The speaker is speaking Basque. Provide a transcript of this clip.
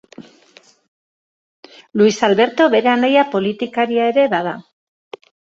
Luis Alberto bere anaia politikaria ere bada.